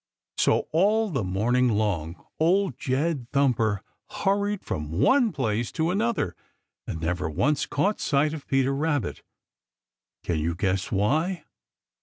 So, all the morning long, Old Jed Thumper hurried from one place to another and never once caught sight of Peter Rabbit. Can you guess why?